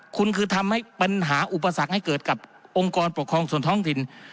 คุณคือทำให้ปัญหาอุปสรรคให้เกิดกับองค์กรปกครองส่วนท้องถิ่น